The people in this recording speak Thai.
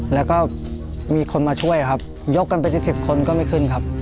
แล้วก็มีคนมาช่วยครับยกกันเป็นสิบคนก็ไม่ขึ้นครับ